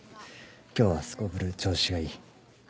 今日はすこぶる調子がいい。